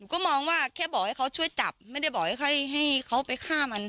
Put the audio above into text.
ก็มองว่าแค่บอกให้เขาช่วยจับไม่ได้บอกให้เขาไปฆ่ามัน